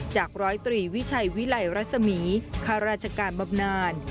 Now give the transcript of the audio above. จากร้อยตรีวิชัยวิไลรัศมีข้าราชการบำนาน